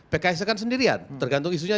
pks akan sendirian tergantung isunya